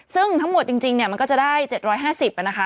ซึ่งทั้งหมดจริงมันก็จะได้๗๕๐นะคะ